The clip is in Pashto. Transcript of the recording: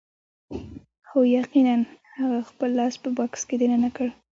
هو یقیناً هغه خپل لاس په بکس کې دننه کړ